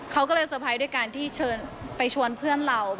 เขาก็เลยเตอร์ไพรส์ด้วยการที่ไปชวนเพื่อนเรา